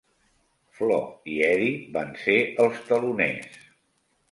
Flo i Eddie van ser els teloners.